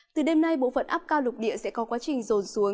từ đêm nay bộ phận áp cao lục địa sẽ có quá trình rồn xuống